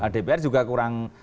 dpr juga kurang